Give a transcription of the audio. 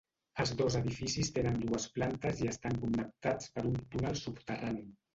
Els dos edificis tenen dues plantes i estan connectats per un túnel subterrani.